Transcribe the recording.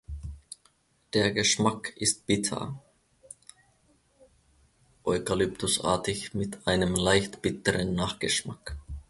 Der Geschmack ist bitter-eukalyptusartig mit einem leicht bitteren Nachgeschmack.